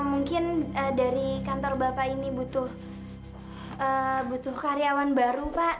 mungkin dari kantor bapak ini butuh karyawan baru pak